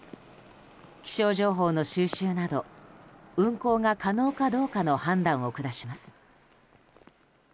気象情報の収集など運航が可能かどうかの判断を下します。